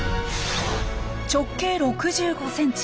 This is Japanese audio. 直径６５ｃｍ